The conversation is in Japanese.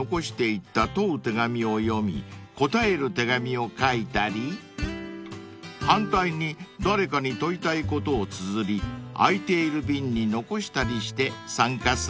問う手紙を読み答える手紙を書いたり反対に誰かに問いたいことをつづり空いている瓶に残したりして参加するんだそうです］